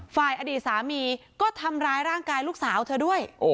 อดีตสามีก็ทำร้ายร่างกายลูกสาวเธอด้วย